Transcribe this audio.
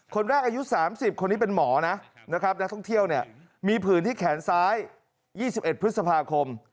คนแรกอายุ๓๐คนนี้เป็นหมอนะนะครับนักท่องเที่ยวเนี่ยมีผื่นที่แขนซ้าย๒๑พฤษภาคม